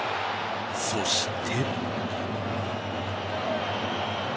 そして。